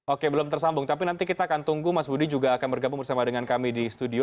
oke belum tersambung tapi nanti kita akan tunggu mas budi juga akan bergabung bersama dengan kami di studio